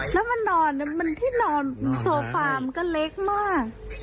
แล้วมันนอนมันที่นอนโซฟามันก็เล็กมาก